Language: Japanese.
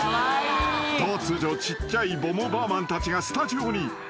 ［突如ちっちゃいボムバーマンたちがスタジオに］